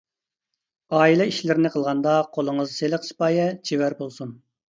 ئائىلە ئىشلىرىنى قىلغاندا قولىڭىز سىلىق-سىپايە، چېۋەر بولسۇن.